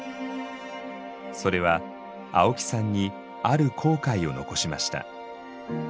それは青木さんにある後悔を残しました。